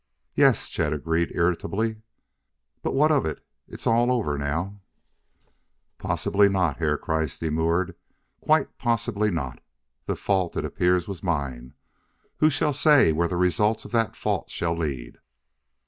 "Yes," Chet agreed irritably, "but what of it? It's all over now." "Possibly not," Herr Kreiss demurred; "quite possibly not. The fault, it appears, was mine. Who shall say where the results of that fault shall lead?